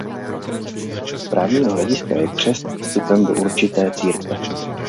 Z právního hlediska je křest vstupem do určité církve.